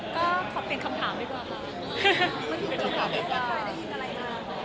ก็ขอเปลี่ยนคำถามดีกว่าค่ะ